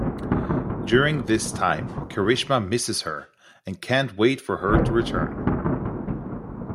During this time Kirishima misses her and can't wait for her to return.